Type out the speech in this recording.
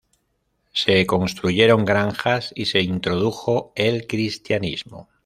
Se construyeron granjas y se introdujo el cristianismo.